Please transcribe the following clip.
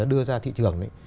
đưa ra thị trường